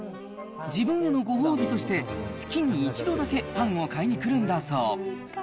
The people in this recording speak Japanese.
自分へのご褒美として、月に１度だけパンを買いに来るんだそう。